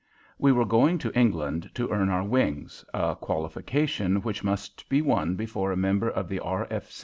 We were going to England to earn our "wings" a qualification which must be won before a member of the R.